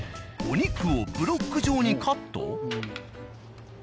お肉をブロック状にカット？